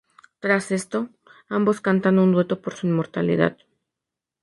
Tras esto, ambos cantan un dueto por su inmortalidad.